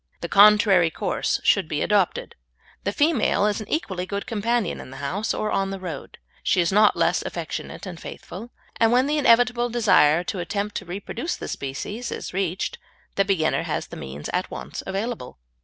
The contrary course should be adopted. The female is an equally good companion in the house or on the road; she is not less affectionate and faithful; and when the inevitable desire to attempt to reproduce the species is reached the beginner has the means at once available.